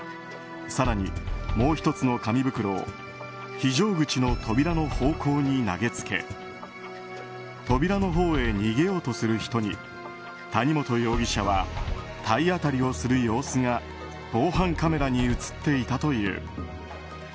更に、もう１つの紙袋を非常口の扉の方向に投げつけ扉のほうに逃げようとする人に谷本容疑者は体当たりをする様子が防犯カメラに映っていたという。